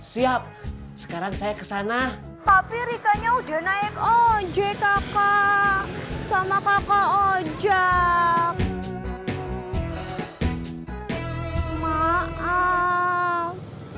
siap sekarang saya kesana tapi rika nya udah naik ojek kakak sama kakak ojek maaf